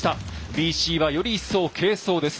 ＢＣはより一層軽装です。